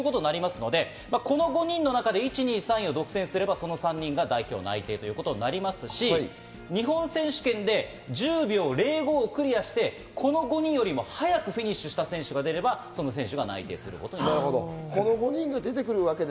この５人の中で１位、２位、３位を独占すれば、その３人が代表内定になりますし、日本選手権で１０秒０５をクリアして、この５人よりも速くフィニッシュした選手が出ればその選手が内定ということになります。